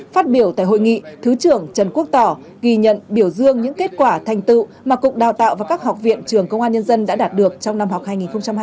phát biểu tại hội nghị thứ trưởng trần quốc tỏ ghi nhận biểu dương những kết quả thành tựu mà cục đào tạo và các học viện trường công an nhân dân đã đạt được trong năm học hai nghìn hai mươi hai nghìn hai mươi ba